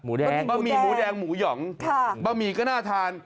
บะหมี่หมูแดงหมูหยองบะหมี่ก็น่าทาน